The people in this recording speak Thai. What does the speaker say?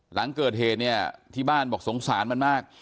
หลังเกิดเหตุเนี่ยที่บ้านบอกสงสารมันมาก